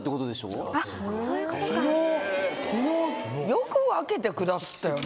よく分けてくださったよね。